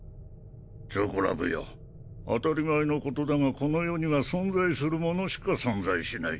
チョコラブよ当たり前のことだがこの世には存在するものしか存在しない。